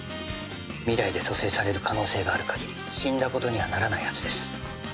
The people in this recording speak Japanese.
未来で蘇生される可能性がある限り死んだことにはならないはずです。